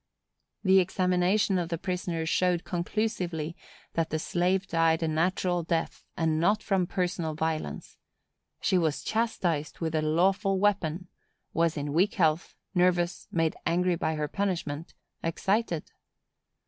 The examination of the prisoner showed conclusively that the slave died a natural death, and not from personal violence. She was chastised with a lawful weapon,—was in weak health, nervous, made angry by her punishment,—excited.